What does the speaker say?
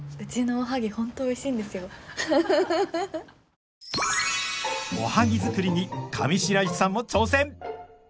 おはぎ作りに上白石さんも挑戦！